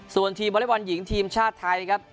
ส่วนทีมบริวัลหญิงทีมชาติไทยครับ